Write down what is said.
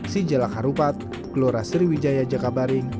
sijelak harupat gelora sriwijaya jakabaring